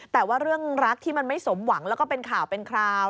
แต่ว่าเรื่องรักที่มันไม่สมหวังแล้วก็เป็นข่าวเป็นคราว